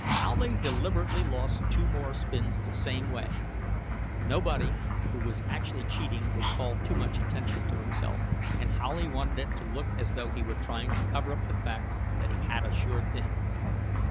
Howley deliberately lost two more spins the same way. Nobody who was actually cheating would call too much attention to himself, and Howley wanted it to look as though he were trying to cover up the fact that he had a sure thing.